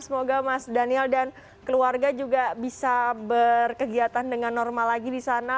semoga mas daniel dan keluarga juga bisa berkegiatan dengan normal lagi di sana